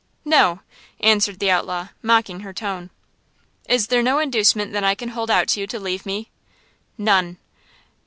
"No!" answered the outlaw, mocking her tone. "Is there no inducement that I can hold out to you to leave me?" "None!"